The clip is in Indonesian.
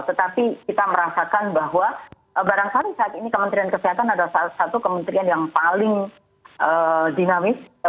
tetapi kita merasakan bahwa barangkali saat ini kementerian kesehatan adalah salah satu kementerian yang paling dinamis